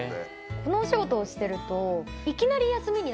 このお仕事をしてると。